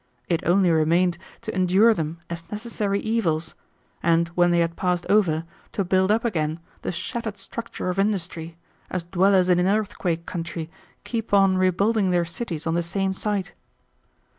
It only remained to endure them as necessary evils, and when they had passed over to build up again the shattered structure of industry, as dwellers in an earthquake country keep on rebuilding their cities on the same site.